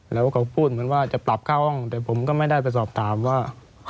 แล้วเขาพูดเหมือนว่าจะปรับค่าห้องแต่ผมก็ไม่ได้ไปสอบถามว่า